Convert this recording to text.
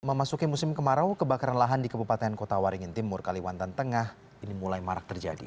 memasuki musim kemarau kebakaran lahan di kabupaten kota waringin timur kalimantan tengah ini mulai marak terjadi